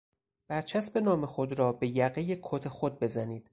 برچسب نام خود را به یقهی کت خود بزنید.